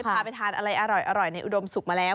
ก็เอาไปพาไปทานอะไรอร่อยในอุโดมสุกมาแล้ว